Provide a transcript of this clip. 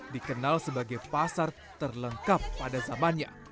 dikenal sebagai pasar terlengkap pada zamannya